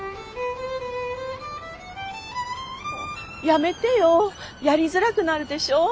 やめてよやりづらくなるでしょ。